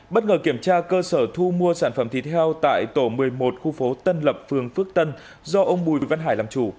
bất ngờ kiểm tra cơ sở thu mua sản phẩm thịt heo tại tổ một mươi một khu phố tân lập phường phước tân do ông bùi văn hải làm chủ